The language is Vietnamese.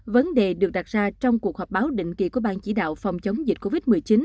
vấn đề được đặt ra trong cuộc họp báo định kỳ của bang chỉ đạo phòng chống dịch covid một mươi chín